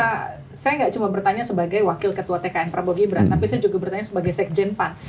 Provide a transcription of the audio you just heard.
karena saya nggak cuma bertanya sebagai wakil ketua tkn prabowo gibran tapi saya juga bertanya sebagai sekjen pan